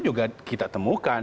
juga kita temukan